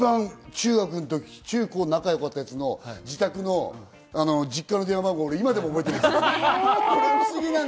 中高、仲良かったやつの自宅の実家の電話番号、今でも覚えてますもん。